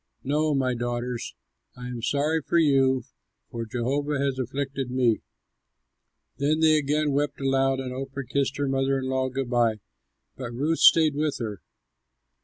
No, my daughters! I am sorry for you, for Jehovah has afflicted me." Then they again wept aloud, and Orpah kissed her mother in law good by, but Ruth stayed with her.